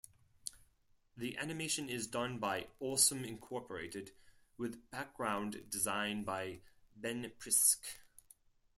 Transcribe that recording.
The animation is done by Awesome Incorporated, with background design by Ben Prisk.